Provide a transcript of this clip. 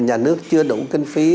nhà nước chưa đủ kinh phí